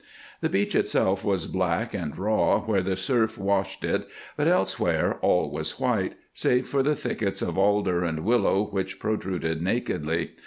The beach itself was black and raw where the surf washed it, but elsewhere all was white, save for the thickets of alder and willow which protruded nakedly.